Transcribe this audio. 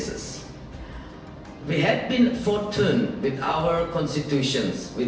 kami telah berpengaruh dengan konstitusi kami